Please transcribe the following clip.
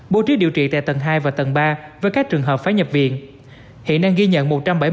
bố trí điều trị tại tầng hai và tầng ba với các trường hợp phải nhập viện hiện đang ghi nhận một trăm bảy mươi ba năm trăm linh